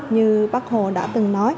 như bác hồ đã từng nói